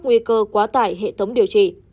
nguy cơ quá tải hệ thống điều trị